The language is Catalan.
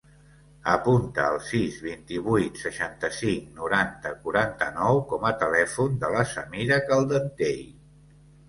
Apunta el sis, vint-i-vuit, seixanta-cinc, noranta, quaranta-nou com a telèfon de la Samira Caldentey.